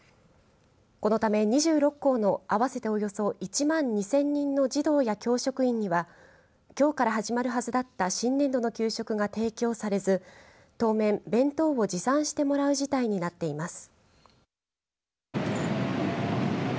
このため２６校の合わせておよそ１万２０００人の児童や教職員にはきょうから始まるはずだった新年度の給食が提供されず当面、弁当を持参してもらう事態になっています。